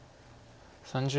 ３０秒。